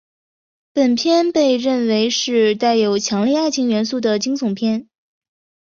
本片被认为是带有强烈爱情元素的惊悚片。